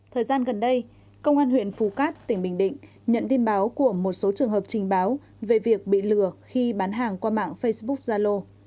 thời gian gần đây công an huyện phú cát tỉnh bình định nhận tin báo của một số trường hợp trình báo về việc bị lừa khi bán hàng qua mạng facebook zalo